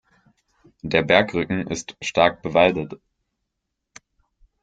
Der Bergrücken ist stark bewaldet.